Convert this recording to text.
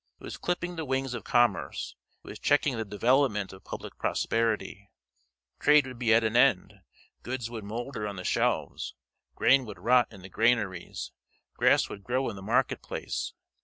It was clipping the wings of commerce; it was checking the development of public prosperity; trade would be at an end; goods would moulder on the shelves; grain would rot in the granaries; grass would grow in the marketplace.